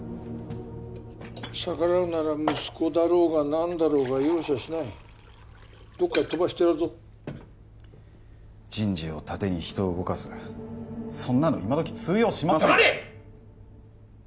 逆らうなら息子だろうがなんだろうが容赦しないどっかへ飛ばしてやるぞ人事を盾に人を動かすそんなの今どき通用しません黙れ！